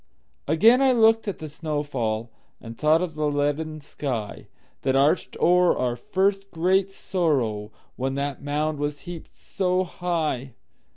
Again I looked at the snow fall, And thought of the leaden skyThat arched o'er our first great sorrow, When that mound was heaped so high.